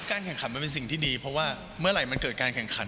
แข่งขันมันเป็นสิ่งที่ดีเพราะว่าเมื่อไหร่มันเกิดการแข่งขัน